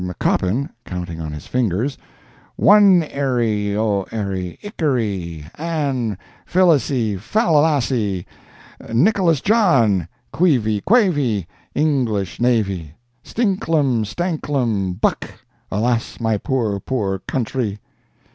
McCoppin (counting on his fingers)—One ery—o'ery—ickery—Ann; fillisy, fallallacy, Nicholas John; queevy, quavy, English navy—stinklum, stanklum, Buck. Alas, my poor, poor country."